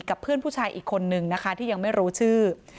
กับเพื่อนผู้ชายอีกคนนึงนะคะที่ยังไม่รู้ชื่อ